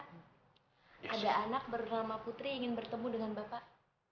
ada anak bernama putri ingin bertemu dengan bapak